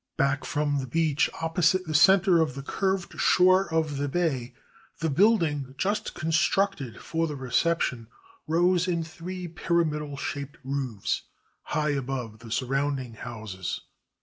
Back from the beach, opposite the center of the curved shore of the bay, the building, just constructed for the reception, rose in three pyramidal shaped roofs, high above the surrounding houses.